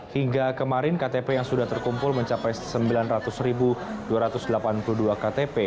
hingga kemarin ktp yang sudah terkumpul mencapai sembilan ratus dua ratus delapan puluh dua ktp